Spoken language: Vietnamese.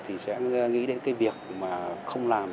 thì sẽ nghĩ đến cái việc mà không làm